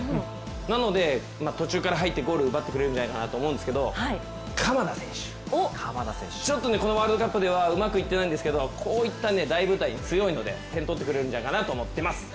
なので、途中から入ってゴール奪ってくれるんじゃないかと思うんですけれども鎌田選手、ちょっとこのワールドカップではうまくいってないんですけどこういった大舞台に強いので点取ってくれるんじゃないかなと思います。